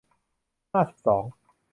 ห้าสิบสอง